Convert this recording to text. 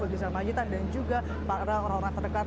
dan juga orang orang terdekat